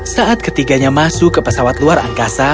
saat ketiganya masuk ke pesawat luar angkasa